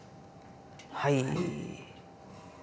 はい。